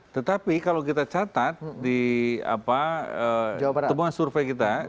tetapi kalau kita catat di temuan survei kita